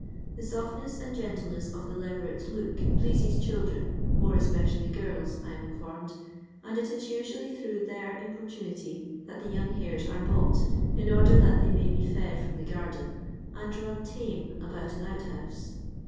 The softness and gentleness of the leveret's look pleases chHdren, more especially girls, I am in formed, and it is usually through their importu nity that the young hares are bought, in order that they may be fed from the garden, and run tame about an out house.